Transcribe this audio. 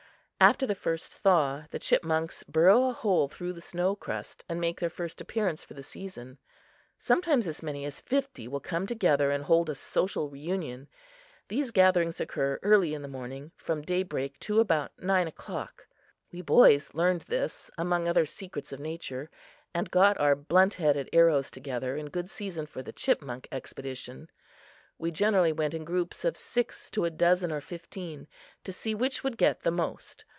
After the first thaw, the chipmunks burrow a hole through the snow crust and make their first appearance for the season. Sometimes as many as fifty will come together and hold a social reunion. These gatherings occur early in the morning, from daybreak to about nine o'clock. We boys learned this, among other secrets of nature, and got our blunt headed arrows together in good season for the chipmunk expedition. We generally went in groups of six to a dozen or fifteen, to see which would get the most.